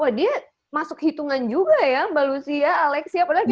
oh dia masuk hitungan juga ya mbak lucia alexi apalagi